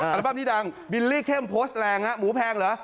อัลบั้มนี้ดังบิลลี่เข้มโพสต์แรงฮะหมูแพงเหรอ